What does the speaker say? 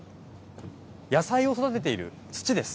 野菜を育てている土です。